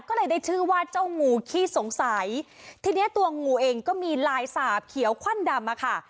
ก็เลยได้ชื่อว่าเจ้างูขี้สงสัยทีเนี้ยตัวงูเองก็มีลายสาบเขียวคว่ำดำอะค่ะ